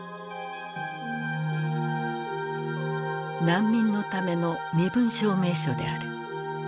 難民のための身分証明書である。